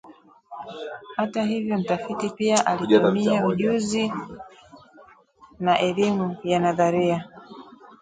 Hata hivyo mtafiti pia alitumia ujuzi na elimu ya nadharia